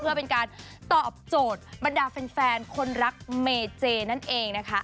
เพื่อเป็นการตอบโจทย์บรรดาแฟนคนรักเมเจนั่นเองนะคะ